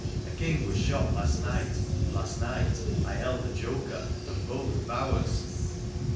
(A king was shot last night. Last night I held the joker and both bowers.)